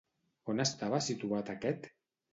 On estava situat aquest?